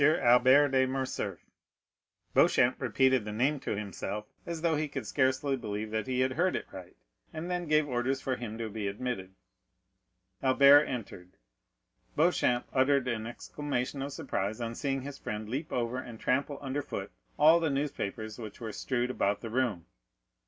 Albert de Morcerf. Beauchamp repeated the name to himself, as though he could scarcely believe that he had heard aright, and then gave orders for him to be admitted. Albert entered. Beauchamp uttered an exclamation of surprise on seeing his friend leap over and trample under foot all the newspapers which were strewed about the room.